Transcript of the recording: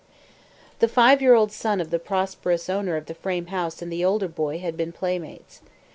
The five year old son of the prosperous owner of the frame house and the older boy had been playmates.